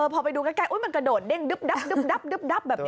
พอไปดูแกล้งมันกระโดดเด้งดึบ